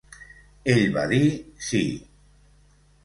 Ell va dir "Sí!".